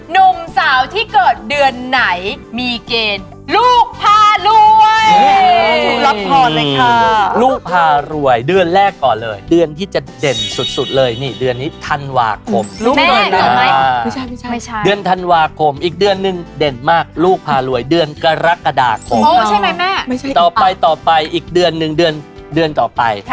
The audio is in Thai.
นุ่มสาวที่เกิดเดือนไหนมีเกณฑ์รูปพารวยรับถอดนะครับรูปพารวยเดือนแรกก่อนเลยเดือนที่